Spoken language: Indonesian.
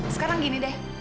sekarang gini deh